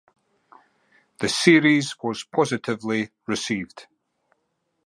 The series was positively received.